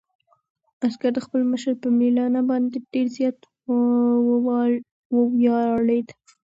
عسکر د خپل مشر په مېړانه باندې ډېر زیات وویاړېد.